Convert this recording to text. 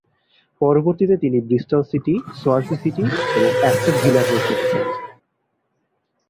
পরবর্তীতে তিনি Bristol City, Swansea City এবং অ্যাস্টন ভিলার হয়ে খেলেছেন।